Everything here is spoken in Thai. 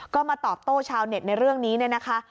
ก็มาตอบโต้ชาวเน็ตในเรื่องนี้เนี่ยนะคะ